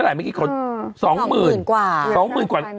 ก็๒๐๐๐๐เท่าไหร่เมื่อกี้คน๒๐๐๐๐กว่า